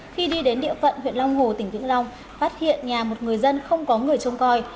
khi đi đến địa phận huyện long hồ tỉnh vĩnh long phát hiện nhà một người dân không có người trông coi